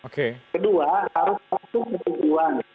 kedua harus berpikir pikirkan